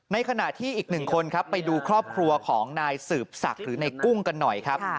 ในขณะที่อีกหนึ่งคนครับไปดูครอบครัวของนายสืบศักดิ์หรือในกุ้งกันหน่อยครับ